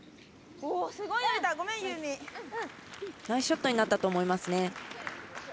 ナイスショットになったと思いますね。